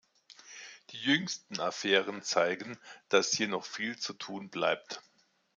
Die jüngsten Affären zeigen, dass hier noch viel zu tun bleibt.